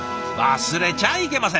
忘れちゃいけません！